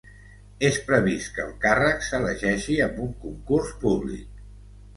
És previst que el càrrec s’elegeixi amb un concurs públic.